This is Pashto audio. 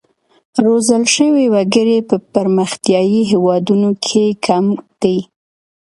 روزل شوي وګړي په پرمختیايي هېوادونو کې کم دي.